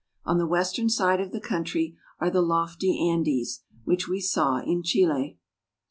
On the western side of the coun try are the lofty Andes, which we saw in Chile.